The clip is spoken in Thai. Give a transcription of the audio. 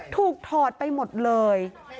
ถอดไปหมดเลย